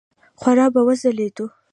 خورا به وځلېدو.